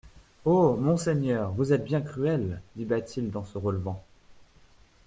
Oh ! monseigneur, vous êtes bien cruel ! dit Bathilde en se relevant.